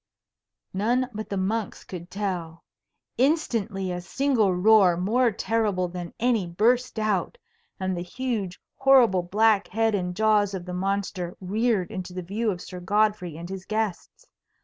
None but the monks could tell. Instantly a single roar more terrible than any burst out, and the huge horrible black head and jaws of the monster reared into the view of Sir Godfrey and his guests.